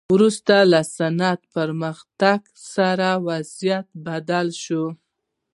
وروسته د صنعت پرمختګ سره وضعیت بدل شو.